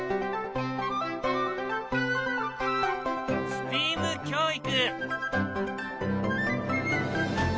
ＳＴＥＡＭ教育。